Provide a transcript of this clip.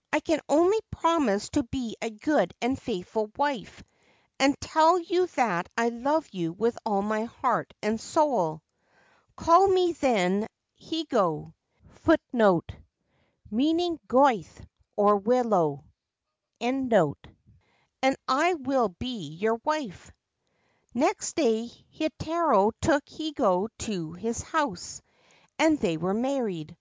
' I can only promise to be a good and faithful wife, and tell you that I love you with all my heart and soul. Call me, then, " Higo," J and I will be your wife/ Next day Heitaro took Higo to his house, and they were married.